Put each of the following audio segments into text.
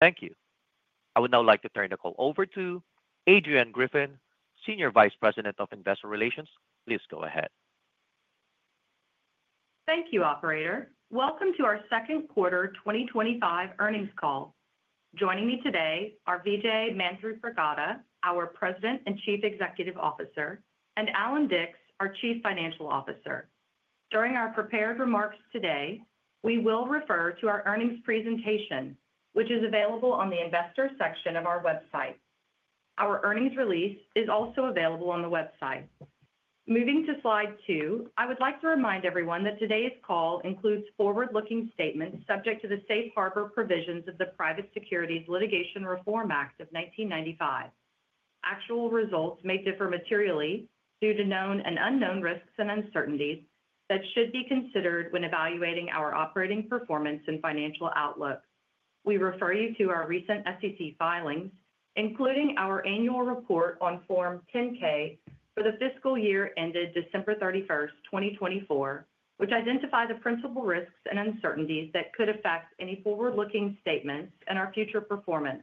Thank you. I would now like to turn the call over to Adrianne Griffin, Senior Vice President of Investor Relations. Please go ahead. Thank you, Operator. Welcome to our Second Quarter 2025 Earnings Call. Joining me today are Vijay Manthripragada, our President and Chief Executive Officer, and Allan Dicks, our Chief Financial Officer. During our prepared remarks today, we will refer to our earnings presentation, which is available on the Investors section of our website. Our earnings release is also available on the website. Moving to slide two, I would like to remind everyone that today's call includes forward-looking statements subject to the Safe Harbor provisions of the Private Securities Litigation Reform Act of 1995. Actual results may differ materially due to known and unknown risks and uncertainties that should be considered when evaluating our operating performance and financial outlook. We refer you to our recent SEC filings, including our annual report on Form 10-K for the fiscal year ended December 31st, 2024, which identify the principal risks and uncertainties that could affect any forward-looking statements and our future performance.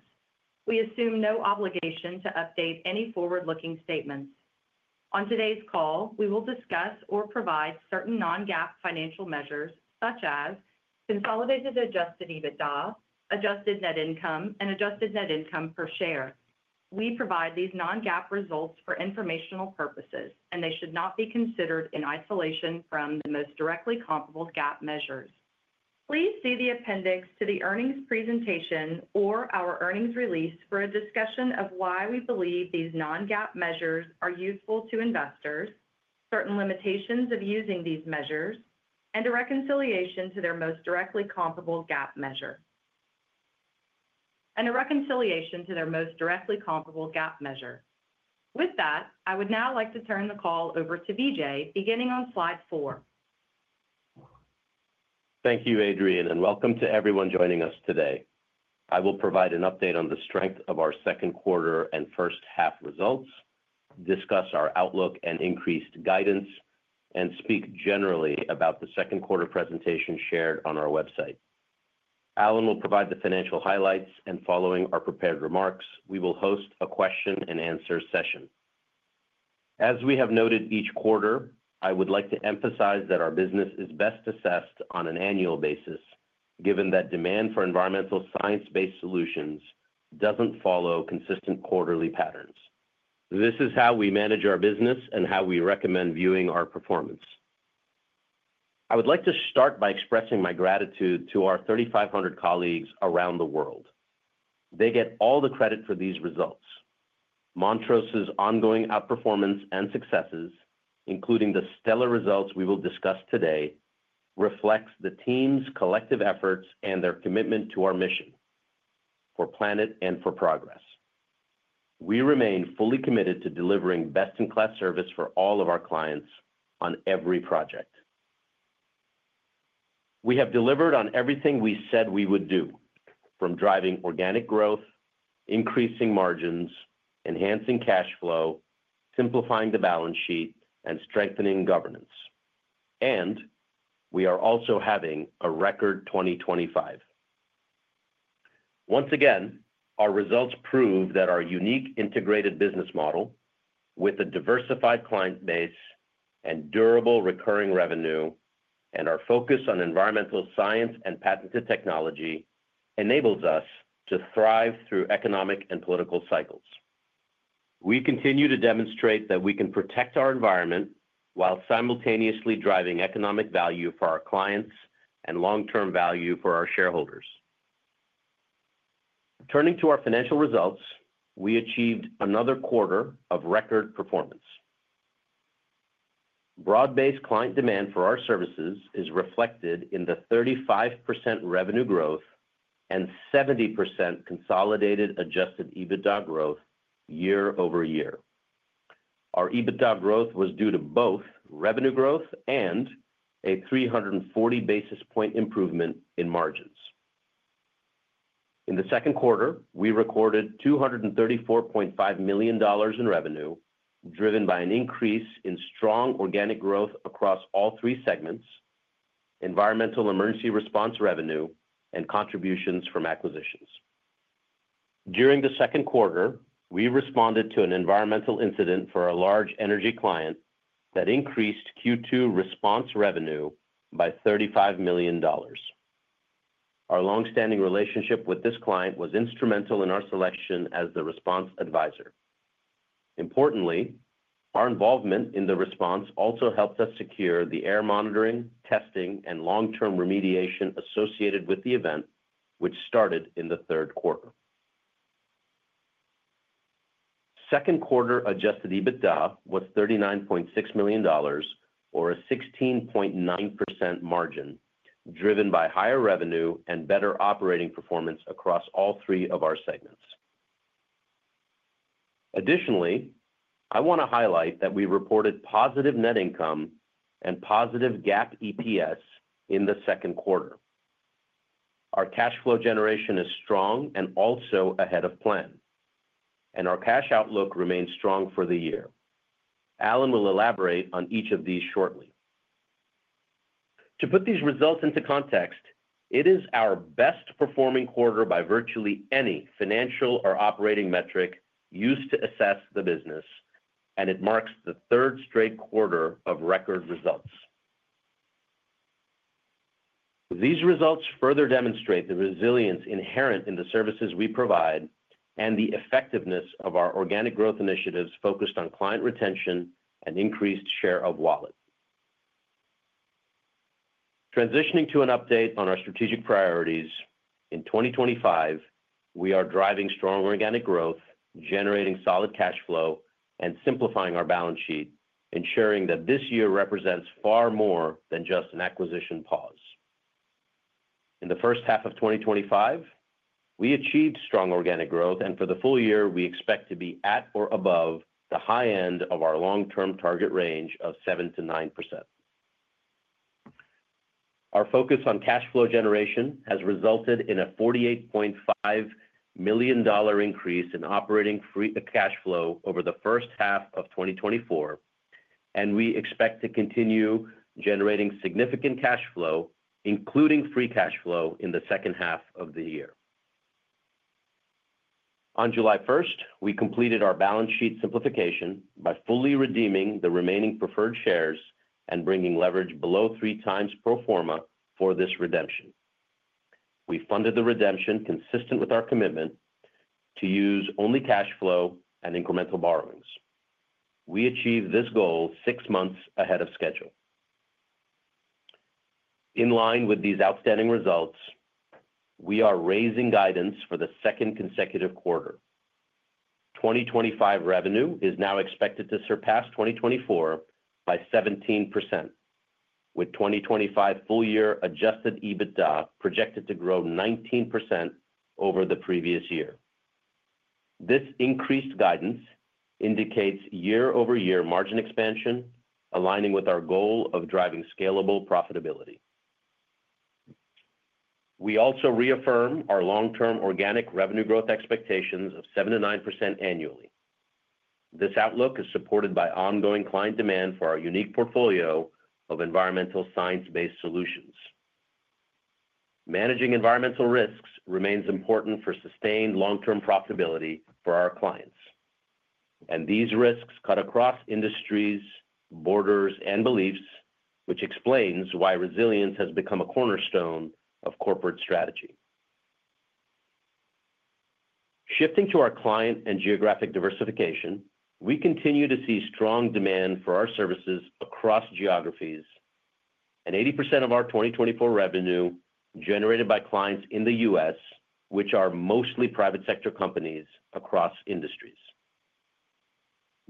We assume no obligation to update any forward-looking statements. On today's call, we will discuss or provide certain non-GAAP financial measures such as consolidated adjusted EBITDA, adjusted net income, and adjusted net income per share. We provide these non-GAAP results for informational purposes, and they should not be considered in isolation from the most directly comparable GAAP measures. Please see the appendix to the earnings presentation or our earnings release for a discussion of why we believe these non-GAAP measures are useful to investors, certain limitations of using these measures, and a reconciliation to their most directly comparable GAAP measure. With that, I would now like to turn the call over to Vijay, beginning on slide four. Thank you, Adrianne, and welcome to everyone joining us today. I will provide an update on the strength of our second quarter and first half results, discuss our outlook and increased guidance, and speak generally about the second quarter presentation shared on our website. Allan will provide the financial highlights, and following our prepared remarks, we will host a question and answer session. As we have noted each quarter, I would like to emphasize that our business is best assessed on an annual basis, given that demand for environmental science-based solutions doesn't follow consistent quarterly patterns. This is how we manage our business and how we recommend viewing our performance. I would like to start by expressing my gratitude to our 3,500 colleagues around the world. They get all the credit for these results. Montrose's ongoing outperformance and successes, including the stellar results we will discuss today, reflect the team's collective efforts and their commitment to our mission: for planet and for progress. We remain fully committed to delivering best-in-class service for all of our clients on every project. We have delivered on everything we said we would do, from driving organic growth, increasing margins, enhancing cash flow, simplifying the balance sheet, and strengthening governance. We are also having a record 2025. Once again, our results prove that our unique integrated business model, with a diversified client base and durable recurring revenue, and our focus on environmental science and patented technology enables us to thrive through economic and political cycles. We continue to demonstrate that we can protect our environment while simultaneously driving economic value for our clients and long-term value for our shareholders. Turning to our financial results, we achieved another quarter of record performance. Broad-based client demand for our services is reflected in the 35% revenue growth and 70% consolidated adjusted EBITDA growth year-over-year. Our EBITDA growth was due to both revenue growth and a 340 basis point improvement in margins. In the second quarter, we recorded $234.5 million in revenue, driven by an increase in strong organic growth across all three segments: environmental emergency response revenue and contributions from acquisitions. During the second quarter, we responded to an environmental incident for a large energy client that increased Q2 response revenue by $35 million. Our longstanding relationship with this client was instrumental in our selection as the response advisor. Importantly, our involvement in the response also helped us secure the air monitoring, testing, and long-term remediation associated with the event, which started in the third quarter. Second quarter adjusted EBITDA was $39.6 million, or a 16.9% margin, driven by higher revenue and better operating performance across all three of our segments. Additionally, I want to highlight that we reported positive net income and positive GAAP EPS in the second quarter. Our cash flow generation is strong and also ahead of plan. Our cash outlook remains strong for the year. Allan will elaborate on each of these shortly. To put these results into context, it is our best performing quarter by virtually any financial or operating metric used to assess the business, and it marks the third straight quarter of record results. These results further demonstrate the resilience inherent in the services we provide and the effectiveness of our organic growth initiatives focused on client retention and increased share of wallet. Transitioning to an update on our strategic priorities. In 2025, we are driving strong organic growth, generating solid cash flow, and simplifying our balance sheet, ensuring that this year represents far more than just an acquisition pause. In the first half of 2025, we achieved strong organic growth, and for the full year, we expect to be at or above the high end of our long-term target range of 7%-9%. Our focus on cash flow generation has resulted in a $48.5 million increase in operating free cash flow over the first half of 2024, and we expect to continue generating significant cash flow, including free cash flow, in the second half of the year. On July 1st, we completed our balance sheet simplification by fully redeeming the remaining preferred shares and bringing leverage below three times pro forma for this redemption. We funded the redemption consistent with our commitment to use only cash flow and incremental borrowings. We achieved this goal six months ahead of schedule. In line with these outstanding results, we are raising guidance for the second consecutive quarter. 2025 revenue is now expected to surpass 2024 by 17%, with 2025 full-year adjusted EBITDA projected to grow 19% over the previous year. This increased guidance indicates year-over-year margin expansion, aligning with our goal of driving scalable profitability. We also reaffirm our long-term organic revenue growth expectations of 7%-9% annually. This outlook is supported by ongoing client demand for our unique portfolio of environmental science-based solutions. Managing environmental risks remains important for sustained long-term profitability for our clients. These risks cut across industries, borders, and beliefs, which explains why resilience has become a cornerstone of corporate strategy. Shifting to our client and geographic diversification, we continue to see strong demand for our services across geographies, and 80% of our 2024 revenue is generated by clients in the U.S., which are mostly private sector companies across industries.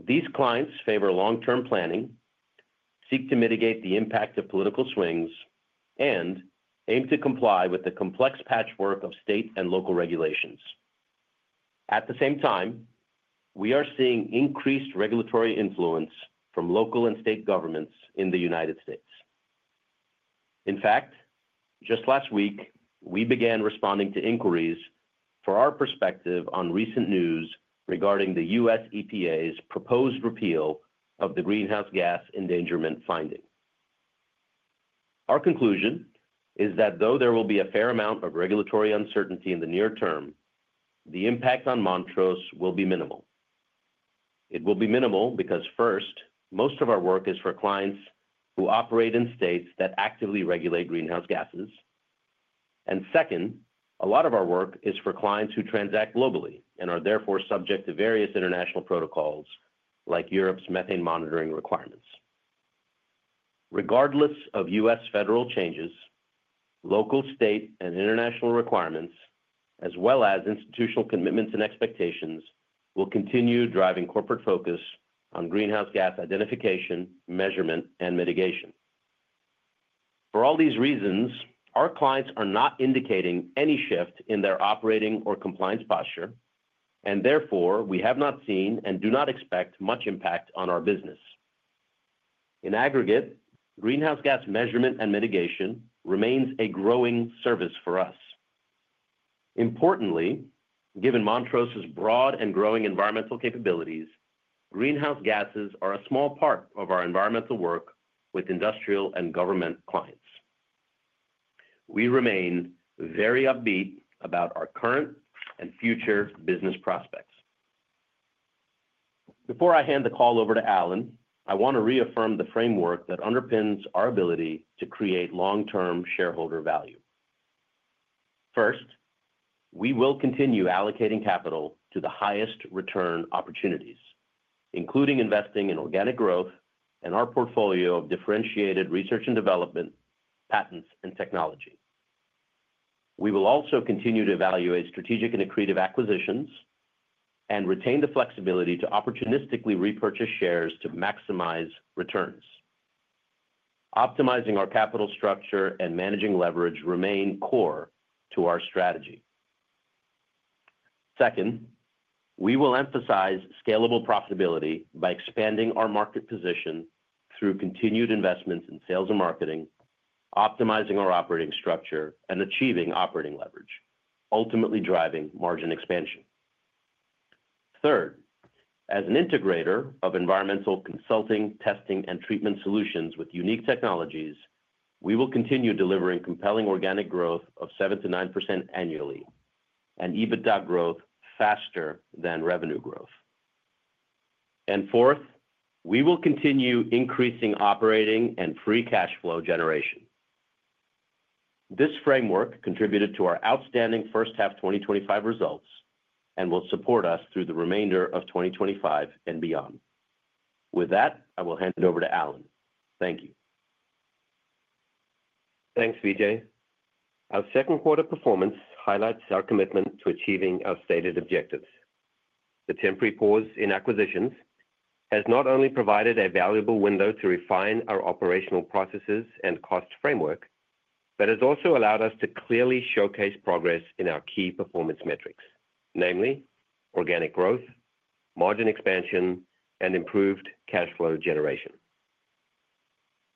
These clients favor long-term planning, seek to mitigate the impact of political swings, and aim to comply with the complex patchwork of state and local regulations. At the same time, we are seeing increased regulatory influence from local and state governments in the United States. In fact, just last week, we began responding to inquiries for our perspective on recent news regarding the U.S. EPA's proposed repeal of the greenhouse gas endangerment finding. Our conclusion is that though there will be a fair amount of regulatory uncertainty in the near term, the impact on Montrose will be minimal. It will be minimal because first, most of our work is for clients who operate in states that actively regulate greenhouse gases. Second, a lot of our work is for clients who transact globally and are therefore subject to various international protocols like Europe's methane monitoring requirements. Regardless of U.S. federal changes, local, state, and international requirements, as well as institutional commitments and expectations, will continue driving corporate focus on greenhouse gas identification, measurement, and mitigation. For all these reasons, our clients are not indicating any shift in their operating or compliance posture, and therefore we have not seen and do not expect much impact on our business. In aggregate, greenhouse gas measurement and mitigation remains a growing service for us. Importantly, given Montrose broad and growing environmental capabilities, greenhouse gases are a small part of our environmental work with industrial and government clients. We remain very upbeat about our current and future business prospects. Before I hand the call over to Allan, I want to reaffirm the framework that underpins our ability to create long-term shareholder value. First, we will continue allocating capital to the highest return opportunities, including investing in organic growth and our portfolio of differentiated research and development, patents, and technology. We will also continue to evaluate strategic and accretive acquisitions and retain the flexibility to opportunistically repurchase shares to maximize returns. Optimizing our capital structure and managing leverage remain core to our strategy. Second, we will emphasize scalable profitability by expanding our market position through continued investments in sales and marketing, optimizing our operating structure, and achieving operating leverage, ultimately driving margin expansion. Third, as an integrator of environmental consulting, testing, and treatment solutions with unique technologies, we will continue delivering compelling organic growth of 7%-9% annually and EBITDA growth faster than revenue growth. Fourth, we will continue increasing operating and free cash flow generation. This framework contributed to our outstanding first half 2025 results and will support us through the remainder of 2025 and beyond. With that, I will hand it over to Allan. Thank you. Thanks, Vijay. Our second quarter performance highlights our commitment to achieving our stated objectives. The temporary pause in acquisitions has not only provided a valuable window to refine our operational processes and cost framework, but has also allowed us to clearly showcase progress in our key performance metrics, namely organic growth, margin expansion, and improved cash flow generation.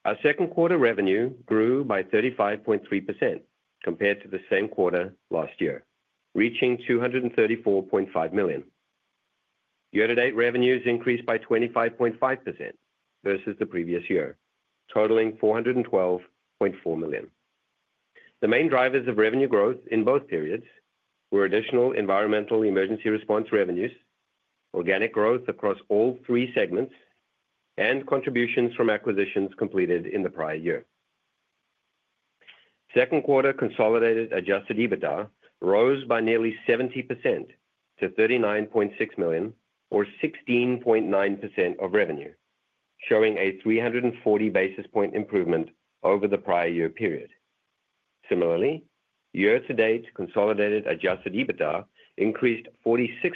Our second quarter revenue grew by 35.3% compared to the same quarter last year, reaching $234.5 million. Year-to-date revenues increased by 25.5% versus the previous year, totaling $412.4 million. The main drivers of revenue growth in both periods were additional environmental emergency response revenues, organic growth across all three segments, and contributions from acquisitions completed in the prior year. Second quarter consolidated adjusted EBITDA rose by nearly 70% to $39.6 million, or 16.9% of revenue, showing a 340 basis point improvement over the prior year period. Similarly, year-to-date consolidated adjusted EBITDA increased 46%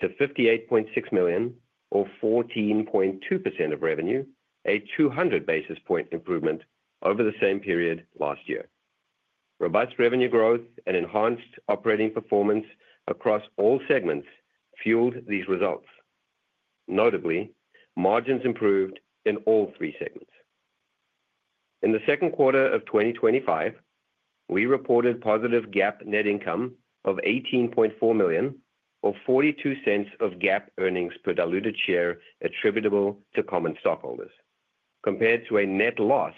to $58.6 million, or 14.2% of revenue, a 200 basis point improvement over the same period last year. Robust revenue growth and enhanced operating performance across all segments fueled these results. Notably, margins improved in all three segments. In the second quarter of 2025, we reported positive GAAP net income of $18.4 million, or $0.42 of GAAP earnings per diluted share attributable to common stockholders, compared to a net loss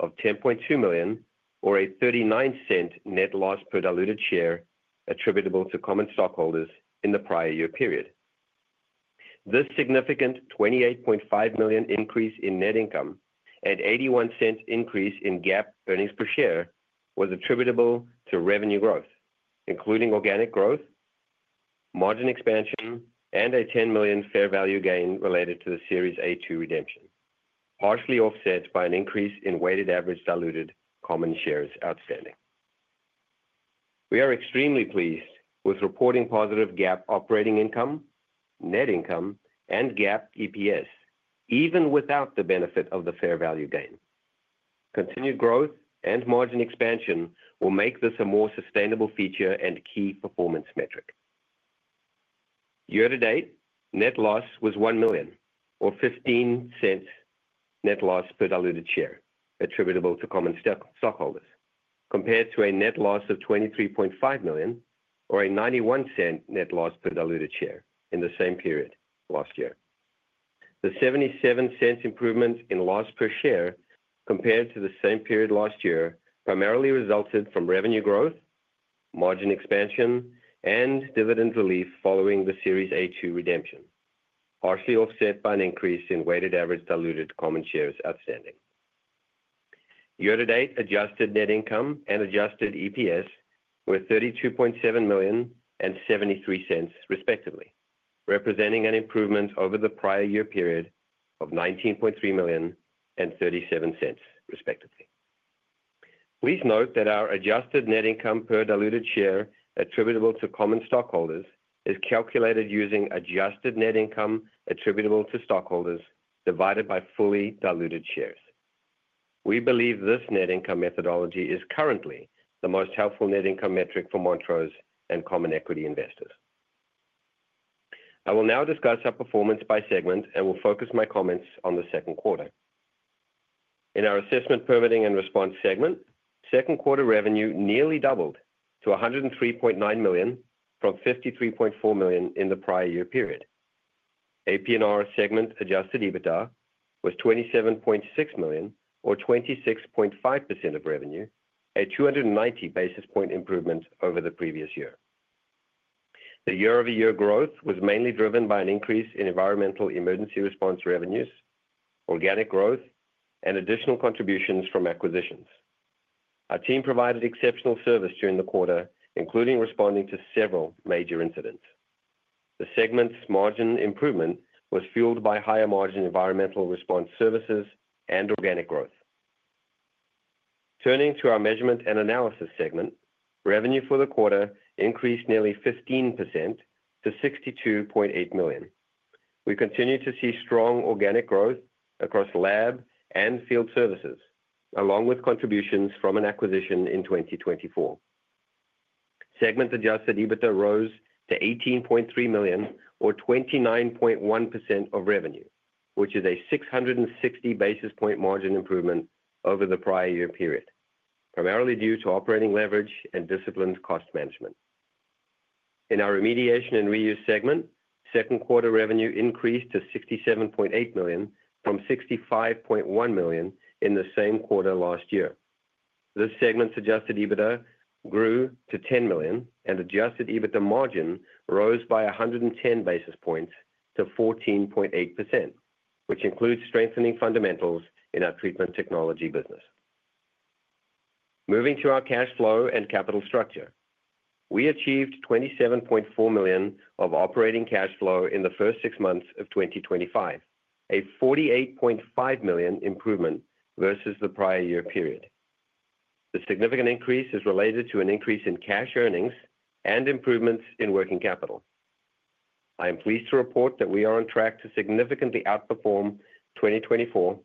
of $10.2 million, or a $0.39 net loss per diluted share attributable to common stockholders in the prior year period. This significant $28.5 million increase in net income and $0.81 increase in GAAP earnings per share was attributable to revenue growth, including organic growth, margin expansion, and a $10 million fair value gain related to Series A-2 preferred shares redemption, partially offset by an increase in weighted average diluted common shares outstanding. We are extremely pleased with reporting positive GAAP operating income, net income, and GAAP EPS, even without the benefit of the fair value gain. Continued growth and margin expansion will make this a more sustainable feature and key performance metric. Year-to-date, net loss was $1 million, or $0.15 net loss per diluted share attributable to common stockholders, compared to a net loss of $23.5 million, or a $0.91 net loss per diluted share in the same period last year. The $0.77 improvement in loss per share compared to the same period last year primarily resulted from revenue growth, margin expansion, and dividend relief following Series A-2 preferred shares redemption, partially offset by an increase in weighted average diluted common shares outstanding. Year-to-date adjusted net income and adjusted EPS were $32.7 million and $0.73, respectively, representing an improvement over the prior year period of $19.3 million and $0.37, respectively. Please note that our adjusted net income per diluted share attributable to common stockholders is calculated using adjusted net income attributable to stockholders divided by fully diluted shares. We believe this net income methodology is currently the most helpful net income metric for Montrose and common equity investors. I will now discuss our performance by segment and will focus my comments on the second quarter. In our assessment, permitting and response segment, second quarter revenue nearly doubled to $103.9 million from $53.4 million in the prior year period. APNR segment adjusted EBITDA was $27.6 million, or 26.5% of revenue, a 290 basis point improvement over the previous year. The year-over-year growth was mainly driven by an increase in environmental emergency response revenues, organic growth, and additional contributions from acquisitions. Our team provided exceptional service during the quarter, including responding to several major incidents. The segment's margin improvement was fueled by higher margin environmental emergency response services and organic growth. Turning to our measurement and analysis segment, revenue for the quarter increased nearly 15% to $62.8 million. We continue to see strong organic growth across laboratory and field services, along with contributions from an acquisition in 2024. Segment adjusted EBITDA rose to $18.3 million, or 29.1% of revenue, which is a 660 basis point margin improvement over the prior year period, primarily due to operating leverage and disciplined cost management. In our remediation and reuse segment, second quarter revenue increased to $67.8 million from $65.1 million in the same quarter last year. This segment's adjusted EBITDA grew to $10 million, and adjusted EBITDA margin rose by 110 basis points to 14.8%, which includes strengthening fundamentals in our treatment technology business. Moving to our cash flow and capital structure, we achieved $27.4 million of operating cash flow in the first six months of 2025, a $48.5 million improvement versus the prior year period. The significant increase is related to an increase in cash earnings and improvements in working capital. I am pleased to report that we are on track to significantly outperform 2024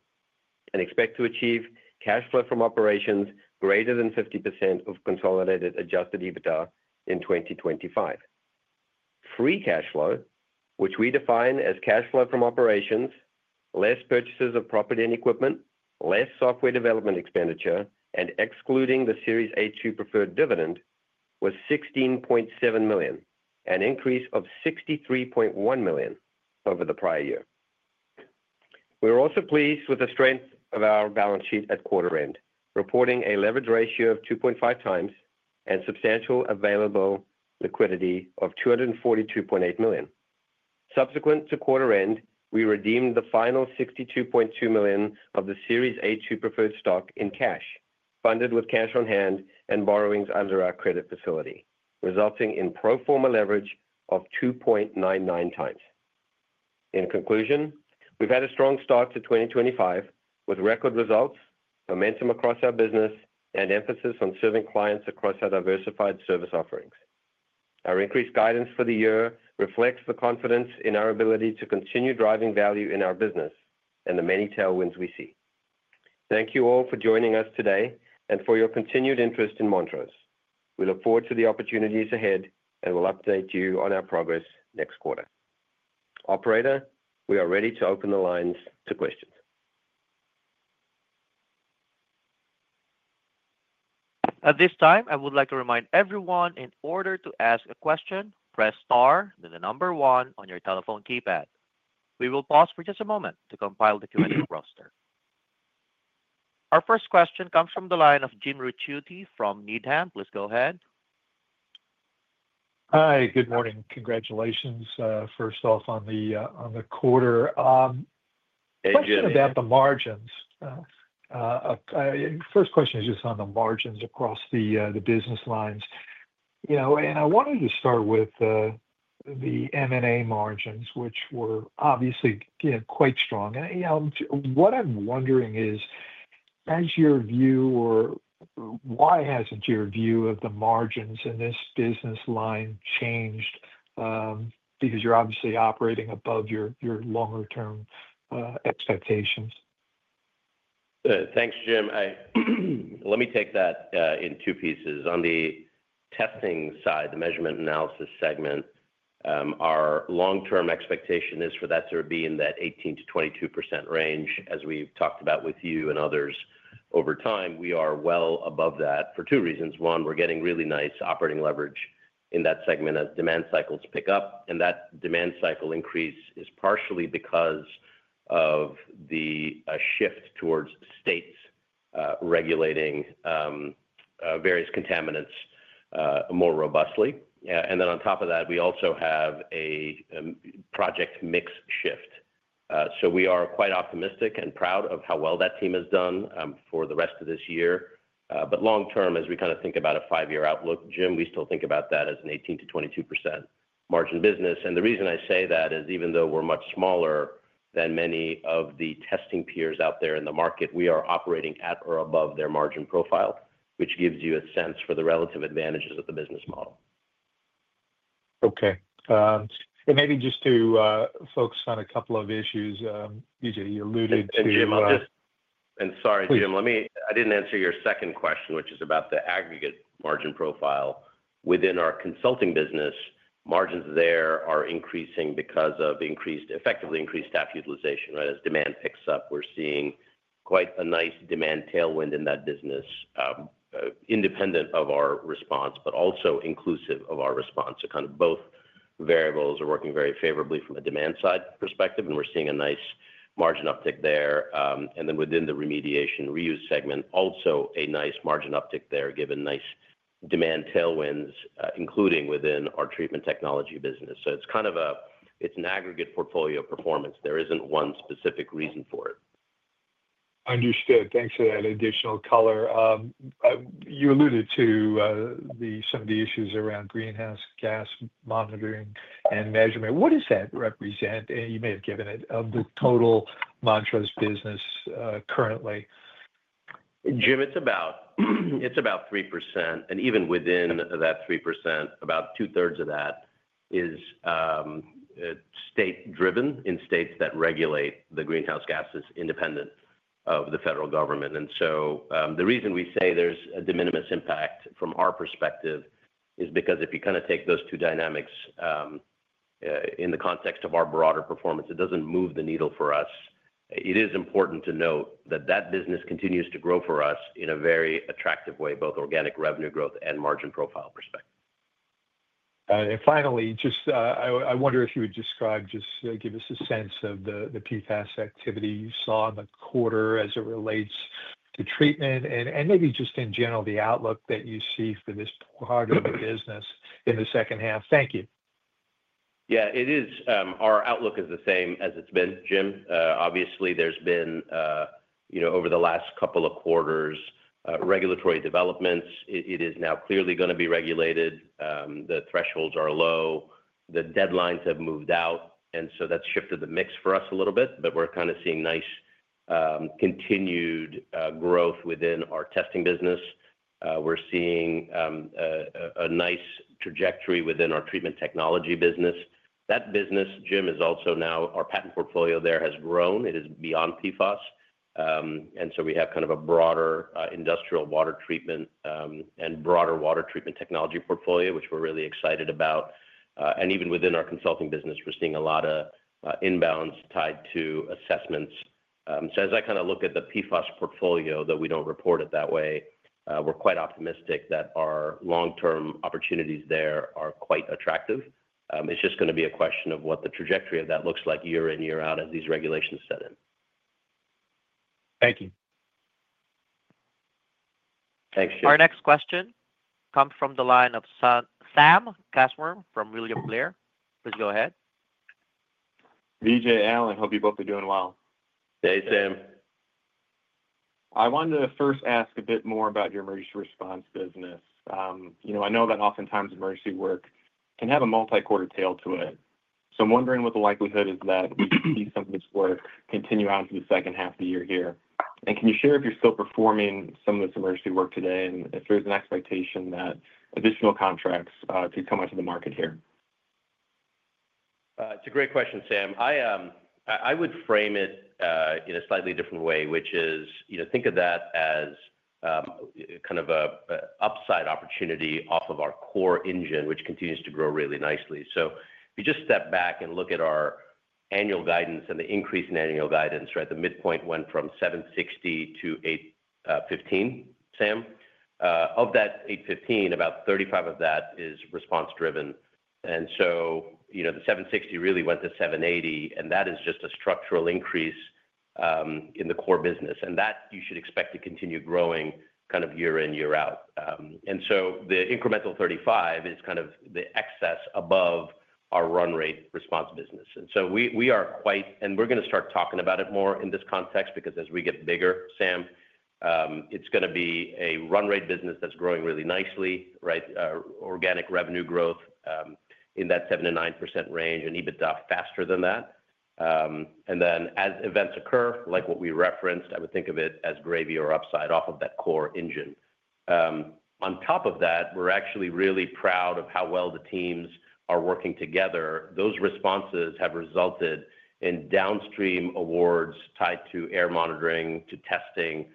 and expect to achieve cash flow from operations greater than 50% of consolidated adjusted EBITDA in 2025. Free cash flow, which we define as cash flow from operations, less purchases of property and equipment, less software development expenditure, and excluding the Series A-2 preferred dividend, was $16.7 million, an increase of $63.1 million over the prior year. We were also pleased with the strength of our balance sheet at quarter end, reporting a leverage ratio of 2.5x and substantial available liquidity of $242.8 million. Subsequent to quarter end, we redeemed the final $62.2 million of the Series A-2 preferred shares in cash, funded with cash on hand and borrowings under our credit facility, resulting in pro forma leverage of 2.99x. In conclusion, we've had a strong start to 2025 with record results, momentum across our business, and emphasis on serving clients across our diversified service offerings. Our increased guidance for the year reflects the confidence in our ability to continue driving value in our business and the many tailwinds we see. Thank you all for joining us today and for your continued interest in Montrose. We look forward to the opportunities ahead and will update you on our progress next quarter. Operator, we are ready to open the lines to questions. At this time, I would like to remind everyone, in order to ask a question, press star with the number one on your telephone keypad. We will pause for just a moment to compile the Q&A roster. Our first question comes from the line of Jim Ricchiuti from Needham. Please go ahead. Hi, good morning. Congratulations, first off, on the quarter. Hey, Jim. To the margins. First question is just on the margins across the business lines. I wanted to start with the M&A margins, which were obviously quite strong. What I'm wondering is, has your view or why hasn't your view of the margins in this business line changed? Because you're obviously operating above your longer-term expectations. Thanks, Jim. Let me take that in two pieces. On the testing side, the measurement analysis segment, our long-term expectation is for that to be in that 18%-22% range. As we've talked about with you and others over time, we are well above that for two reasons. One, we're getting really nice operating leverage in that segment as demand cycles pick up. That demand cycle increase is partially because of the shift towards states regulating various contaminants more robustly. On top of that, we also have a project mix shift. We are quite optimistic and proud of how well that team has done for the rest of this year. Long term, as we kind of think about a five-year outlook, Jim, we still think about that as an 18%-22% margin business. The reason I say that is even though we're much smaller than many of the testing peers out there in the market, we are operating at or above their margin profile, which gives you a sense for the relative advantages of the business model. Okay. Maybe just to focus on a couple of issues, Vijay, you alluded to. Sorry, Jim, I didn't answer your second question, which is about the aggregate margin profile. Within our consulting business, margins there are increasing because of effectively increased staff utilization, right? As demand picks up, we're seeing quite a nice demand tailwind in that business, independent of our response, but also inclusive of our response. Both variables are working very favorably from a demand side perspective, and we're seeing a nice margin uptick there. Within the remediation and reuse segment, also a nice margin uptick there, given nice demand tailwinds, including within our treatment technology business. It's kind of an aggregate portfolio performance. There isn't one specific reason for it. Understood. Thanks for that additional color. You alluded to some of the issues around greenhouse gas monitoring and measurement. What does that represent? You may have given it of the total Montrose business currently. Jim, it's about 3%. Even within that 3%, about two-thirds of that is state-driven in states that regulate the greenhouse gases independent of the federal government. The reason we say there's a de minimis impact from our perspective is because if you kind of take those two dynamics in the context of our broader performance, it doesn't move the needle for us. It is important to note that that business continues to grow for us in a very attractive way, both organic revenue growth and margin profile perspective. I wonder if you would describe, just give us a sense of the PFAS activity you saw in the quarter as it relates to treatment and maybe just in general the outlook that you see for this part of the business in the second half. Thank you. Yeah, it is. Our outlook is the same as it's been, Jim. Obviously, there's been, you know, over the last couple of quarters, regulatory developments. It is now clearly going to be regulated. The thresholds are low. The deadlines have moved out. That has shifted the mix for us a little bit, but we're kind of seeing nice continued growth within our testing business. We're seeing a nice trajectory within our treatment technology business. That business, Jim, is also now our patent portfolio there has grown. It is beyond PFAS. We have kind of a broader industrial water treatment and broader water treatment technology portfolio, which we're really excited about. Even within our consulting business, we're seeing a lot of inbounds tied to assessments. As I kind of look at the PFAS portfolio, though we don't report it that way, we're quite optimistic that our long-term opportunities there are quite attractive. It's just going to be a question of what the trajectory of that looks like year in, year out as these regulations set in. Thank you. Thanks, Jim. Our next question comes from the line of Samuel Kusswurm from William Blair. Please go ahead. Vijay, Al, I hope you both are doing well. Hey, Sam. I wanted to first ask a bit more about your environmental emergency response business. I know that oftentimes emergency work can have a multi-quarter tail to it. I'm wondering what the likelihood is that we see some of this work continue out into the second half of the year here. Can you share if you're still performing some of this emergency work today and if there's an expectation that additional contracts could come out to the market here? It's a great question, Sam. I would frame it in a slightly different way, which is, you know, think of that as kind of an upside opportunity off of our core engine, which continues to grow really nicely. If you just step back and look at our annual guidance and the increase in annual guidance, the midpoint went from $760 million-$815 million. Sam, of that $815 million, about $35 million of that is response-driven. The $760 million really went to $780 million, and that is just a structural increase in the core business. You should expect that to continue growing kind of year in, year out. The incremental $35 million is kind of the excess above our run rate response business. We are quite, and we're going to start talking about it more in this context because as we get bigger, Sam, it's going to be a run rate business that's growing really nicely. Organic revenue growth in that 7%-9% range and EBITDA faster than that. As events occur, like what we referenced, I would think of it as gravy or upside off of that core engine. On top of that, we're actually really proud of how well the teams are working together. Those responses have resulted in downstream awards tied to air monitoring, to testing,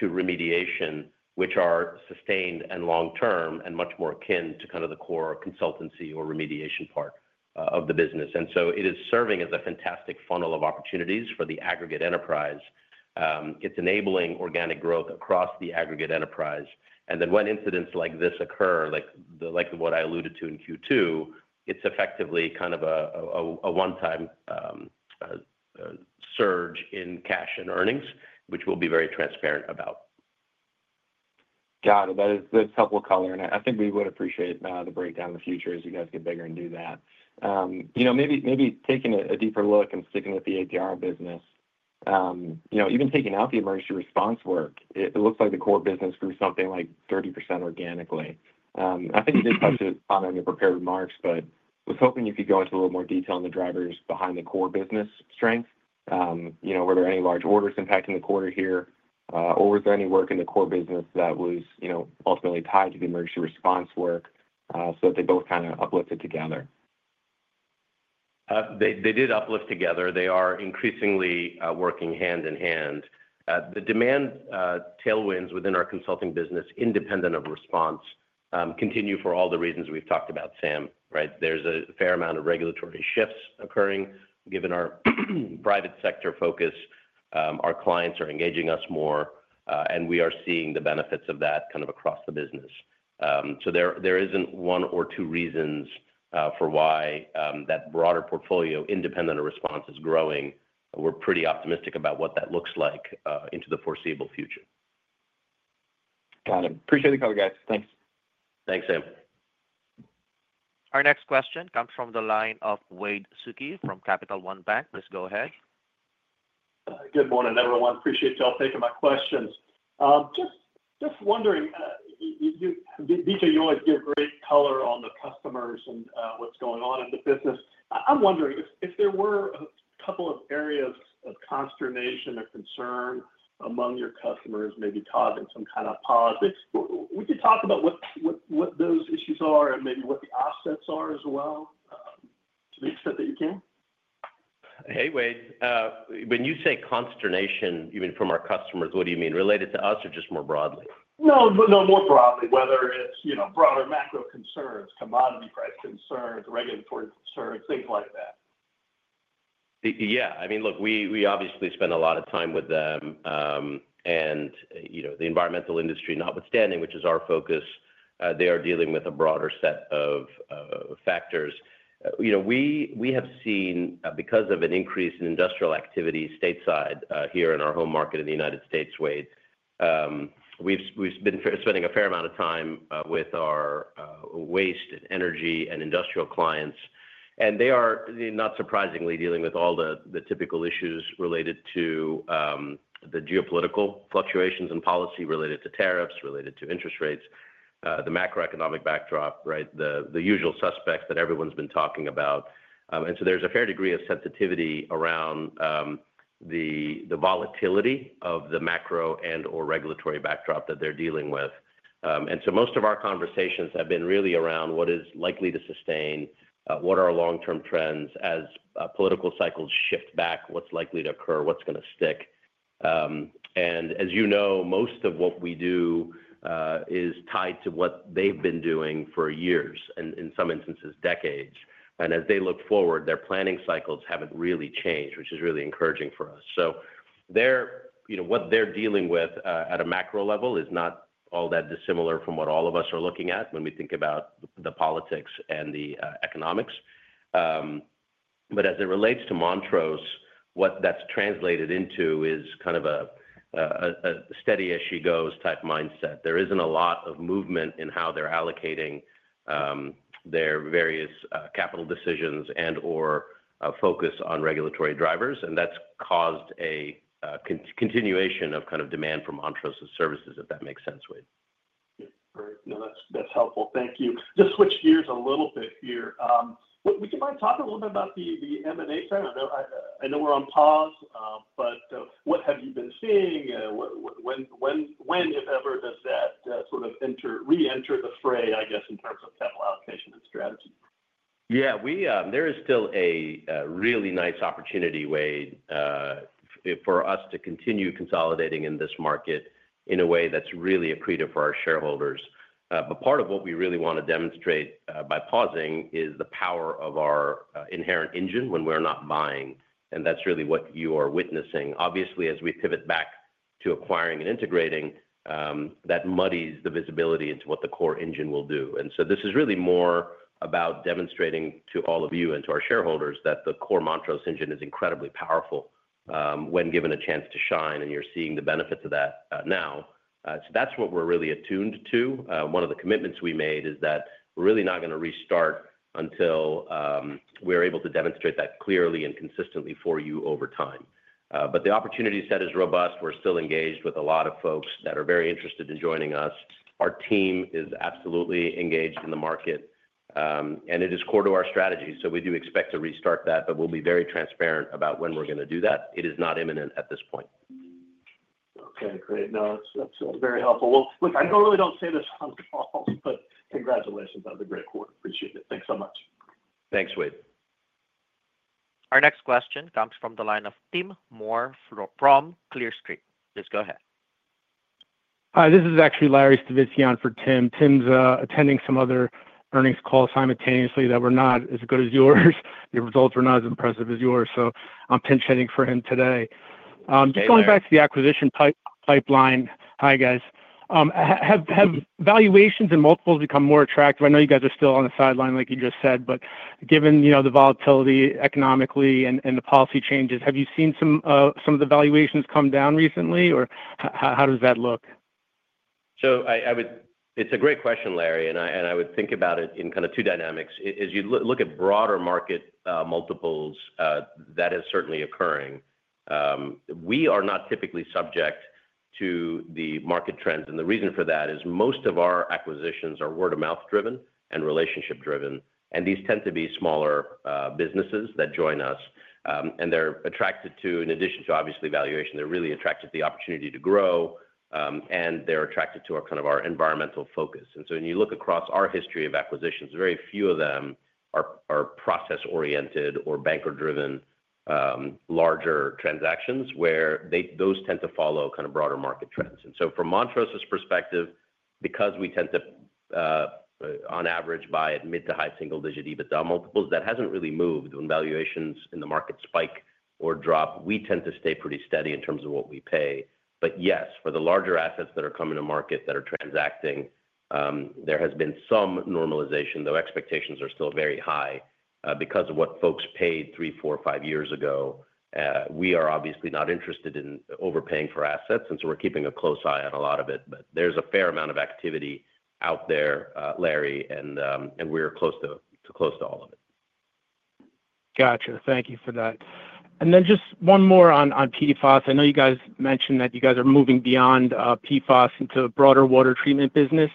to remediation, which are sustained and long-term and much more akin to kind of the core consultancy or remediation part of the business. It is serving as a fantastic funnel of opportunities for the aggregate enterprise. It's enabling organic growth across the aggregate enterprise. When incidents like this occur, like what I alluded to in Q2, it's effectively kind of a one-time surge in cash and earnings, which we'll be very transparent about. Got it. That's helpful color. I think we would appreciate the breakdown in the future as you guys get bigger and do that. Maybe taking a deeper look and sticking with the APNR business, even taking out the environmental emergency response work, it looks like the core business grew something like 30% organically. I think you did touch upon it in your prepared remarks, but I was hoping you could go into a little more detail on the drivers behind the core business strength. Were there any large orders impacting the quarter here, or was there any work in the core business that was ultimately tied to the environmental emergency response work so that they both kind of uplifted together? They did uplift together. They are increasingly working hand in hand. The demand tailwinds within our consulting business, independent of response, continue for all the reasons we've talked about, Sam, right? There's a fair amount of regulatory shifts occurring. Given our private sector focus, our clients are engaging us more, and we are seeing the benefits of that kind of across the business. There isn't one or two reasons for why that broader portfolio, independent of response, is growing. We're pretty optimistic about what that looks like into the foreseeable future. Got it. Appreciate the call, guys. Thanks. Thanks, Sam. Our next question comes from the line of Wade Suki from Capital One Bank. Please go ahead. Good morning, everyone. Appreciate you all taking my questions. Just wondering, Vijay, you always give great color on the customers and what's going on in the business. I'm wondering if there were a couple of areas of consternation or concern among your customers, maybe causing some kind of pause. Would you talk about what those issues are and maybe what the offsets are as well to the extent that you can? Hey, Wade. When you say consternation, you mean from our customers, what do you mean? Related to us or just more broadly? More broadly, whether it's broader macro concerns, commodity price concerns, regulatory concerns, things like that. Yeah, I mean, look, we obviously spend a lot of time with them. You know, the environmental industry, notwithstanding, which is our focus, they are dealing with a broader set of factors. We have seen, because of an increase in industrial activity stateside here in our home market in the U.S., Wade, we've been spending a fair amount of time with our waste and energy and industrial clients. They are, not surprisingly, dealing with all the typical issues related to the geopolitical fluctuations in policy related to tariffs, related to interest rates, the macroeconomic backdrop, right? The usual suspects that everyone's been talking about. There's a fair degree of sensitivity around the volatility of the macro and/or regulatory backdrop that they're dealing with. Most of our conversations have been really around what is likely to sustain, what are long-term trends as political cycles shift back, what's likely to occur, what's going to stick. As you know, most of what we do is tied to what they've been doing for years, and in some instances, decades. As they look forward, their planning cycles haven't really changed, which is really encouraging for us. What they're dealing with at a macro level is not all that dissimilar from what all of us are looking at when we think about the politics and the economics. As it relates to Montrose, what that's translated into is kind of a steady-as-she-goes type mindset. There isn't a lot of movement in how they're allocating their various capital decisions and/or focus on regulatory drivers. That's caused a continuation of kind of demand for Montrose's services, if that makes sense, Wade. Great. No, that's helpful. Thank you. Just switch gears a little bit here. Would you mind talking a little bit about the M&A side? I know we're on pause, but what have you been seeing? When, if ever, does that sort of re-enter the fray, I guess, in terms of capital allocation and strategy? Yeah, there is still a really nice opportunity, Wade, for us to continue consolidating in this market in a way that's really accretive for our shareholders. Part of what we really want to demonstrate by pausing is the power of our inherent engine when we're not buying. That's really what you are witnessing. Obviously, as we pivot back to acquiring and integrating, that muddies the visibility into what the core engine will do. This is really more about demonstrating to all of you and to our shareholders that the core Montrose engine is incredibly powerful when given a chance to shine, and you're seeing the benefits of that now. That's what we're really attuned to. One of the commitments we made is that we're really not going to restart until we're able to demonstrate that clearly and consistently for you over time. The opportunity set is robust. We're still engaged with a lot of folks that are very interested in joining us. Our team is absolutely engaged in the market, and it is core to our strategy. We do expect to restart that, but we'll be very transparent about when we're going to do that. It is not imminent at this point. Okay, great. No, that's very helpful. I normally don't say this on a call, but congratulations on the great quarter. Appreciate it. Thanks so much. Thanks, Wade. Our next question comes from the line of Tim Moore from Clear Street. Please go ahead. Hi, this is actually Larry Stavitski for Tim. Tim's attending some other earnings calls simultaneously that were not as good as yours. Your results were not as impressive as yours, so I'm pinch hitting for him today. Hey. Just going back to the acquisition pipeline. Hi, guys. Have valuations and multiples become more attractive? I know you guys are still on the sideline, like you just said, but given the volatility economically and the policy changes, have you seen some of the valuations come down recently, or how does that look? It's a great question, Larry, and I would think about it in kind of two dynamics. As you look at broader market multiples, that is certainly occurring. We are not typically subject to the market trends, and the reason for that is most of our acquisitions are word-of-mouth driven and relationship driven. These tend to be smaller businesses that join us, and they're attracted to, in addition to obviously valuation, they're really attracted to the opportunity to grow, and they're attracted to our kind of our environmental focus. When you look across our history of acquisitions, very few of them are process-oriented or banker-driven larger transactions where those tend to follow kind of broader market trends. From Montrose's perspective, because we tend to, on average, buy at mid to high single-digit EBITDA multiples, that hasn't really moved when valuations in the market spike or drop. We tend to stay pretty steady in terms of what we pay. Yes, for the larger assets that are coming to market that are transacting, there has been some normalization, though expectations are still very high because of what folks paid three, four, five years ago. We are obviously not interested in overpaying for assets, and we're keeping a close eye on a lot of it. There's a fair amount of activity out there, Larry, and we are close to close to all of it. Gotcha. Thank you for that. Just one more on PFAS. I know you guys mentioned that you guys are moving beyond PFAS into the broader water treatment business.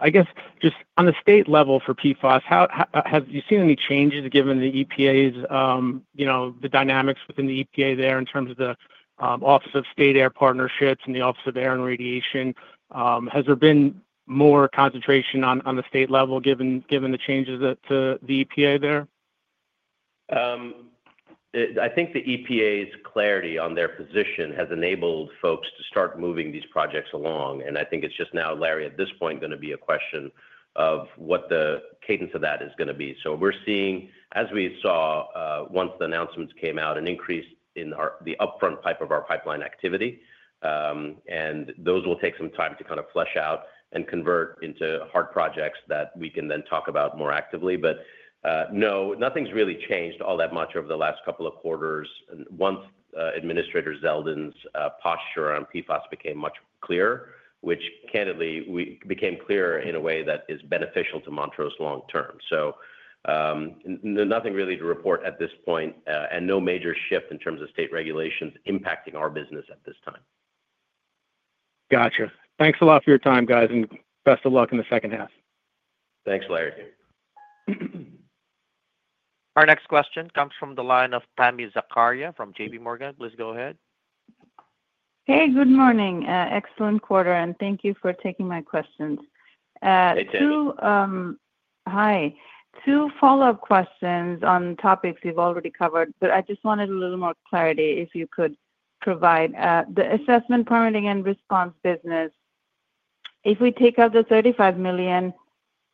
I guess just on the state level for PFAS, have you seen any changes given the EPA's, you know, the dynamics within the EPA there in terms of the Office of State Air Partnerships and the Office of Air and Radiation? Has there been more concentration on the state level given the changes to the EPA there? I think the EPA's clarity on their position has enabled folks to start moving these projects along. I think it's just now, Larry, at this point, going to be a question of what the cadence of that is going to be. We're seeing, as we saw once the announcements came out, an increase in the upfront pipe of our pipeline activity. Those will take some time to kind of flush out and convert into hard projects that we can then talk about more actively. Nothing's really changed all that much over the last couple of quarters. Once Administrator Zeldin's posture on PFAS became much clearer, which candidly, we became clearer in a way that is beneficial to Montrose long term. Nothing really to report at this point and no major shift in terms of state regulations impacting our business at this time. Gotcha. Thanks a lot for your time, guys, and best of luck in the second half. Thanks, Larry. Our next question comes from the line of Tami Zakaria from JPMorga. Please go ahead. Hey, good morning. Excellent quarter, and thank you for taking my questions. Hey, Tami. Hi. Two follow-up questions on topics you've already covered, but I just wanted a little more clarity if you could provide. The assessment, permitting and response business, if we take out the $35 million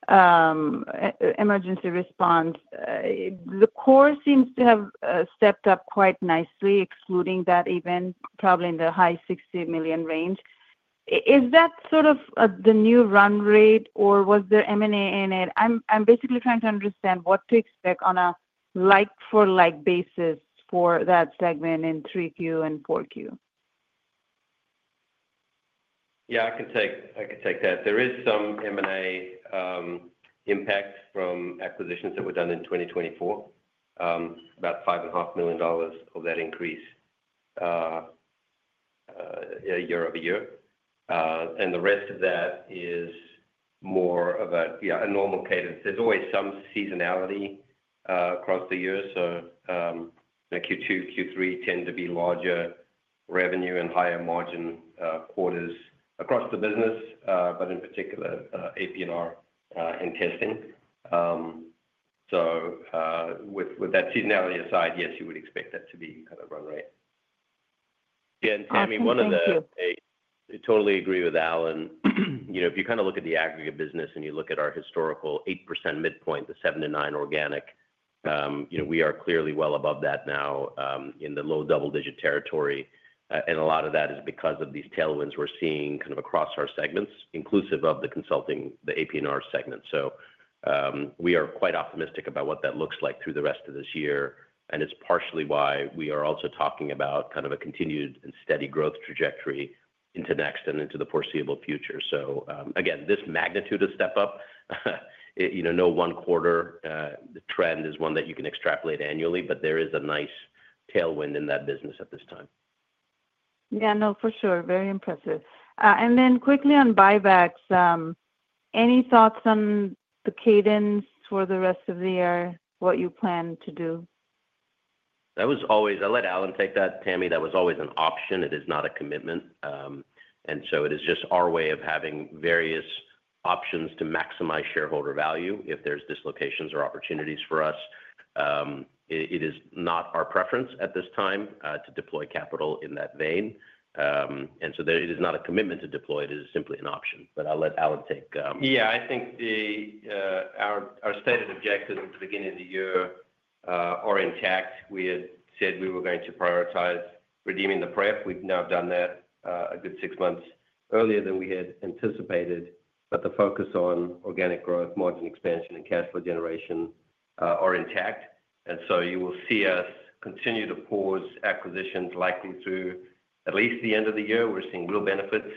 emergency response, the core seems to have stepped up quite nicely, excluding that even probably in the high $60 million range. Is that sort of the new run rate, or was there M&A in it? I'm basically trying to understand what to expect on a like-for-like basis for that segment in 3Q and 4Q. Yeah, I can take that. There is some M&A impact from acquisitions that were done in 2024, about $5.5 million of that increase year-over-year. The rest of that is more of a normal cadence. There's always some seasonality across the year. Q2, Q3 tend to be larger revenue and higher margin quarters across the business, in particular, APNR and testing. With that seasonality aside, yes, you would expect that to be at a run rate. I mean, I totally agree with Allan. If you kind of look at the aggregate business and you look at our historical 8% midpoint, the 7%-9% organic, we are clearly well above that now in the low double-digit territory. A lot of that is because of these tailwinds we're seeing across our segments, inclusive of the consulting, the APNR segment. We are quite optimistic about what that looks like through the rest of this year. It's partially why we are also talking about a continued and steady growth trajectory into next and into the foreseeable future. Again, this magnitude of step-up, no one quarter the trend is one that you can extrapolate annually, but there is a nice tailwind in that business at this time. Yeah, for sure. Very impressive. Quickly on buybacks, any thoughts on the cadence for the rest of the year, what you plan to do? That was always, I'll let Allan take that. Tami, that was always an option. It is not a commitment. It is just our way of having various options to maximize shareholder value if there's dislocations or opportunities for us. It is not our preference at this time to deploy capital in that vein. It is not a commitment to deploy. It is simply an option. I'll let Allan take. Yeah, I think our stated objective at the beginning of the year are intact. We had said we were going to prioritize redeeming the PRIF. We've now done that a good six months earlier than we had anticipated. The focus on organic growth, margin expansion, and cash flow generation are intact. You will see us continue to pause acquisitions likely through at least the end of the year. We're seeing real benefits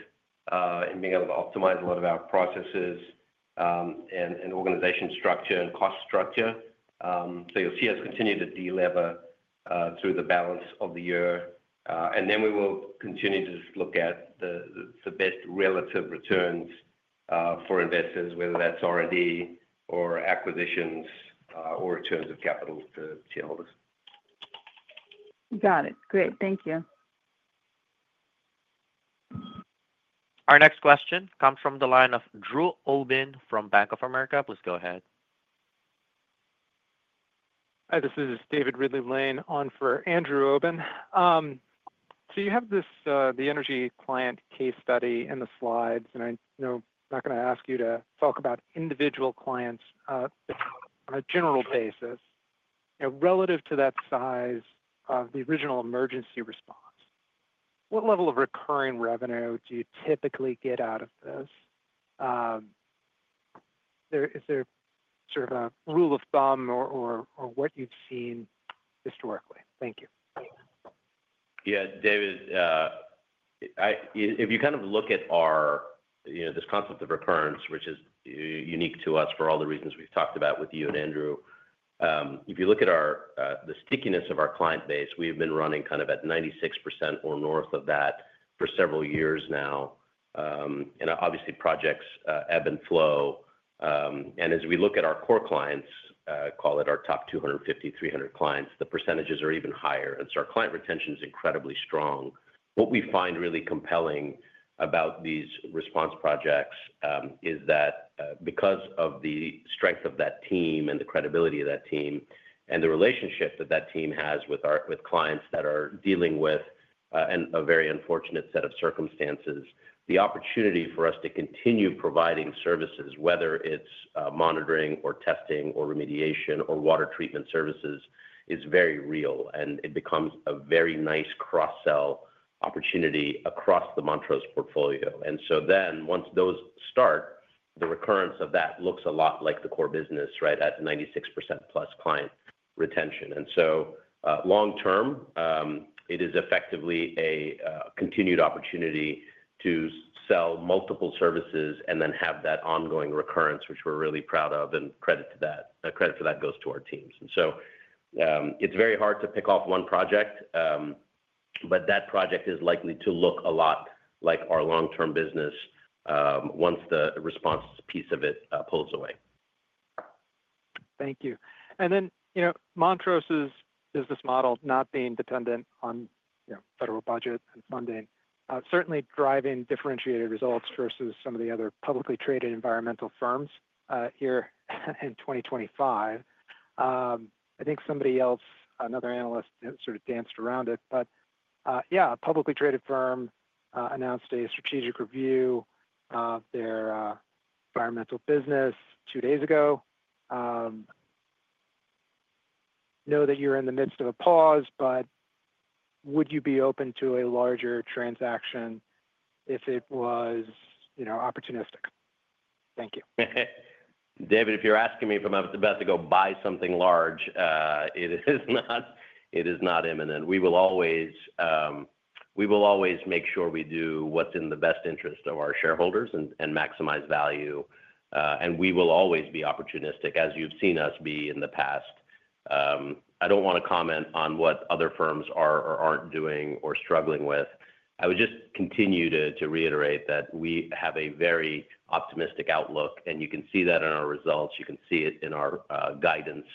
in being able to optimize a lot of our processes and organization structure and cost structure. You will see us continue to delever through the balance of the year. We will continue to look at the best relative returns for investors, whether that's R&D or acquisitions or returns of capital to shareholders. Got it. Great. Thank you. Our next question comes from the line of Drew Oben from Bank of America. Please go ahead. Hi, this is David Ridley-Lane on for Andrew Oben. You have this, the energy client case study in the slides, and I know I'm not going to ask you to talk about individual clients, but on a general basis, you know, relative to that size of the original environmental emergency response, what level of recurring revenue do you typically get out of this? Is there sort of a rule of thumb or what you've seen historically? Thank you. Yeah, David, if you kind of look at our, you know, this concept of recurrence, which is unique to us for all the reasons we've talked about with you and Andrew, if you look at the stickiness of our client base, we've been running kind of at 96% or North of that for several years now. Obviously, projects ebb and flow. As we look at our core clients, call it our top 250, 300 clients, the percentages are even higher. Our client retention is incredibly strong. What we find really compelling about these response projects is that because of the strength of that team and the credibility of that team and the relationship that that team has with clients that are dealing with a very unfortunate set of circumstances, the opportunity for us to continue providing services, whether it's monitoring or testing or remediation or water treatment services, is very real. It becomes a very nice cross-sell opportunity across the Montrose portfolio. Once those start, the recurrence of that looks a lot like the core business, right, at 96%+ client retention. Long term, it is effectively a continued opportunity to sell multiple services and then have that ongoing recurrence, which we're really proud of. Credit for that goes to our teams. It's very hard to pick off one project, but that project is likely to look a lot like our long-term business once the response piece of it pulls away. Thank you. You know, Montrose's business model, not being dependent on federal budget and funding, is certainly driving differentiated results versus some of the other publicly traded environmental firms here in 2025. I think somebody else, another analyst, sort of danced around it. A publicly traded firm announced a strategic review of their environmental business two days ago. I know that you're in the midst of a pause, but would you be open to a larger transaction if it was opportunistic? Thank you. David, if you're asking me if I'm about to go buy something large, it is not imminent. We will always make sure we do what's in the best interest of our shareholders and maximize value. We will always be opportunistic, as you've seen us be in the past. I don't want to comment on what other firms are or aren't doing or struggling with. I would just continue to reiterate that we have a very optimistic outlook, and you can see that in our results. You can see it in our guidance.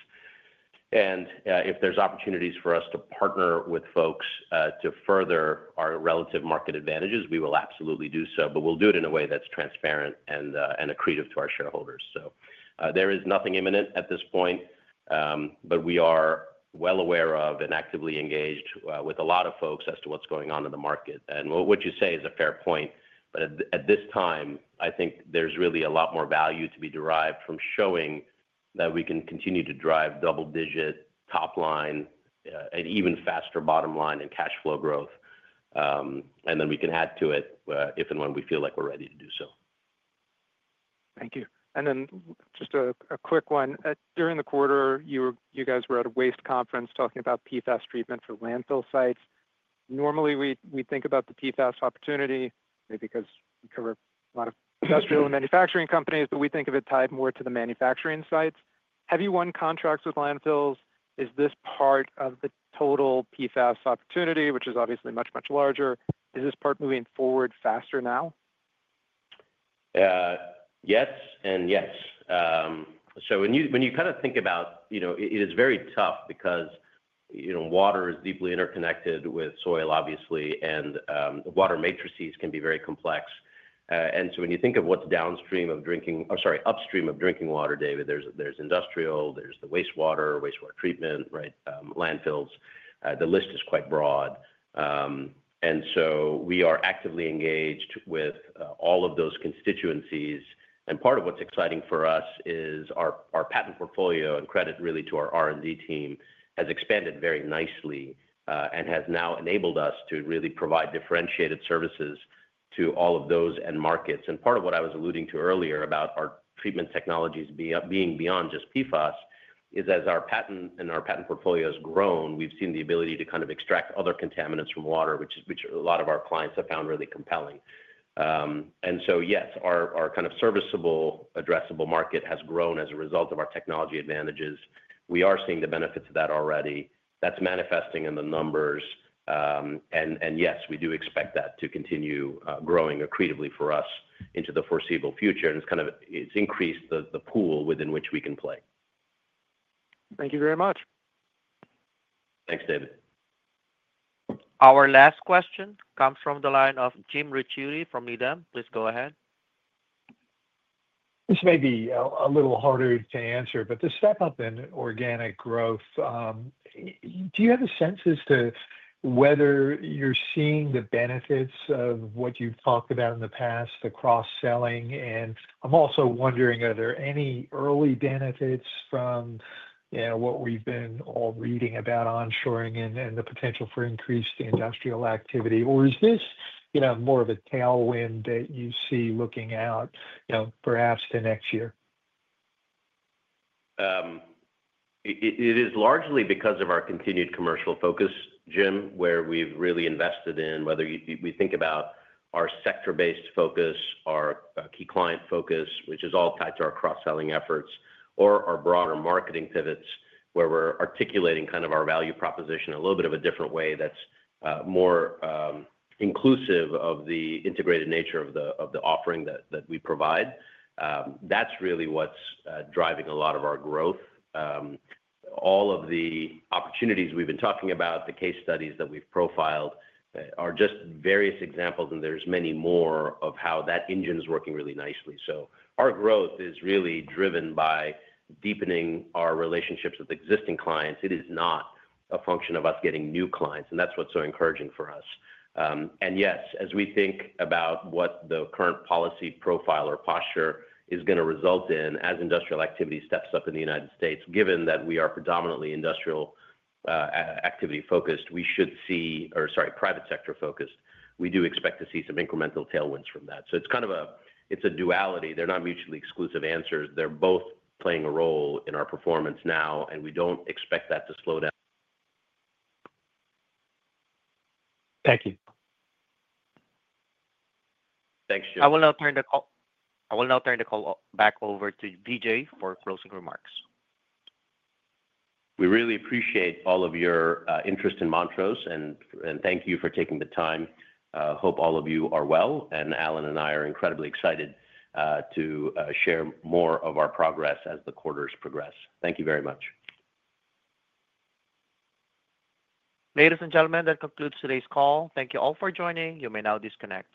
If there's opportunities for us to partner with folks to further our relative market advantages, we will absolutely do so. We'll do it in a way that's transparent and accretive to our shareholders. There is nothing imminent at this point, but we are well aware of and actively engaged with a lot of folks as to what's going on in the market. What you say is a fair point. At this time, I think there's really a lot more value to be derived from showing that we can continue to drive double-digit top line and even faster bottom line and cash flow growth. Then we can add to it if and when we feel like we're ready to do so. Thank you. Just a quick one. During the quarter, you guys were at a waste conference talking about PFAS treatment for landfill sites. Normally, we think about the PFAS opportunity, maybe because we cover a lot of industrial and manufacturing companies, but we think of it tied more to the manufacturing sites. Have you won contracts with landfills? Is this part of the total PFAS opportunity, which is obviously much, much larger? Is this part moving forward faster now? Yes, and yes. When you kind of think about, you know, it is very tough because, you know, water is deeply interconnected with soil, obviously, and water matrices can be very complex. When you think of what's downstream of drinking, or sorry, upstream of drinking water, David, there's industrial, there's the wastewater, wastewater treatment, right, landfills. The list is quite broad. We are actively engaged with all of those constituencies. Part of what's exciting for us is our patent portfolio, and credit really to our R&D team, has expanded very nicely and has now enabled us to really provide differentiated services to all of those end markets. Part of what I was alluding to earlier about our treatment technologies being beyond just PFAS is as our patent and our patent portfolio has grown, we've seen the ability to kind of extract other contaminants from water, which a lot of our clients have found really compelling. Yes, our kind of serviceable, addressable market has grown as a result of our technology advantages. We are seeing the benefits of that already. That's manifesting in the numbers. Yes, we do expect that to continue growing accretively for us into the foreseeable future. It's kind of increased the pool within which we can play. Thank you very much. Thanks, David. Our last question comes from the line of Jim Ricchiuti from Needham. Please go ahead. This may be a little harder to answer, but the step-up in organic growth, do you have a sense as to whether you're seeing the benefits of what you've talked about in the past, the cross-selling? I'm also wondering, are there any early benefits from what we've been all reading about onshoring and the potential for increased industrial activity? Is this more of a tailwind that you see looking out, perhaps to next year? It is largely because of our continued commercial focus, Jim, where we've really invested in whether we think about our sector-based focus, our key client focus, which is all tied to our cross-selling efforts, or our broader marketing pivots where we're articulating kind of our value proposition in a little bit of a different way that's more inclusive of the integrated nature of the offering that we provide. That's really what's driving a lot of our growth. All of the opportunities we've been talking about, the case studies that we've profiled are just various examples, and there's many more of how that engine is working really nicely. Our growth is really driven by deepening our relationships with existing clients. It is not a function of us getting new clients, and that's what's so encouraging for us. Yes, as we think about what the current policy profile or posture is going to result in as industrial activity steps up in the U.S., given that we are predominantly private sector focused, we do expect to see some incremental tailwinds from that. It's kind of a duality. They're not mutually exclusive answers. They're both playing a role in our performance now, and we don't expect that to slow down. Thank you. Thanks, Jim. I will now turn the call back over to Vijay for closing remarks. We really appreciate all of your interest in Montrose, and thank you for taking the time. I hope all of you are well, and Allan and I are incredibly excited to share more of our progress as the quarters progress. Thank you very much. Ladies and gentlemen, that concludes today's call. Thank you all for joining. You may now disconnect.